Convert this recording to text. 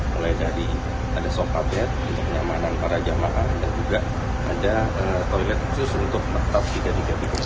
mulai dari ada sofabet untuk kenyamanan para jamaah dan juga ada toilet khusus untuk maktab tiga ratus tiga puluh satu